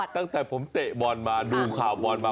ตั้งแต่ผมเตะบอลมาดูข่าวบอลมา